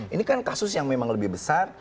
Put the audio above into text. ini kan kasus yang memang lebih besar